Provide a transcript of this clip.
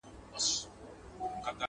• هوښياره مرغۍ په دوو لومو کي بندېږي.